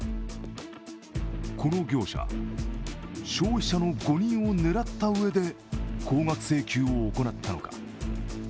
この業者、消費者の誤認を狙ったうえで高額請求を行ったのか。